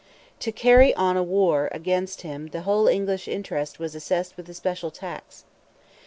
To carry on a war against him the whole English interest was assessed with a special tax.